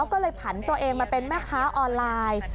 ก็เลยผันตัวเองมาเป็นแม่ค้าออนไลน์